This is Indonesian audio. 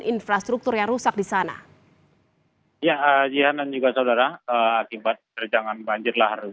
infrastruktur yang rusak di sana ya jihan dan juga saudara akibat terjangan banjir lahar